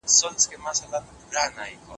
ټېکنالوژي د سږو ټپونه په ښه ډول کشفوي.